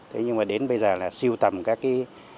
thế nhưng mà đến bây giờ là siêu tầm các cái